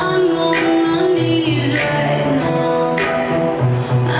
นี่สัญลักษณ์ที่สำคัญที่สุดค่ะ